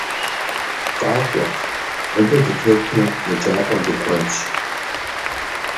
Къакӏуэ, мыбы дытету еджапӏэм дыкӏуэнщ!